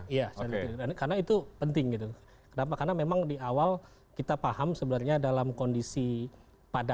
iya saya lihat karena itu penting gitu kenapa karena memang di awal kita paham sebenarnya dalam kondisi pada